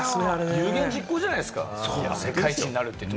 有言実行じゃないですか、世界一になるって。